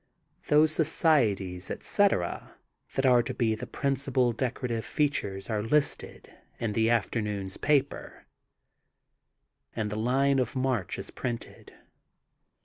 Those societies, etc. that are to be the principal decorative features are listed, in this afternoon's papers, and the line of march is printed.